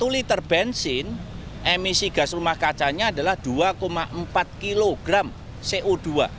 satu liter bensin emisi gas rumah kacanya adalah dua empat kg co dua